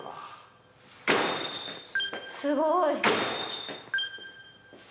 すごい！